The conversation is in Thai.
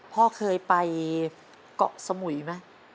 พ่อเคยไปเกาะสมุยไหม